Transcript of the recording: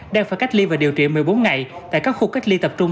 đang phải cách ly và điều trị một mươi bốn ngày tại các khu cách ly tập trung